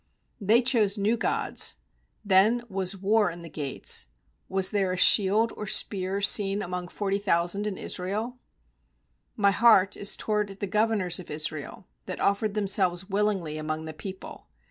8They chose new gods; Then was war in the gates; Was there a shield or spear seen Among forty thousand in Israel? 298 JUDGES 5.26 9My heart is toward the governors of Israel, That offered themselves willingly among the people.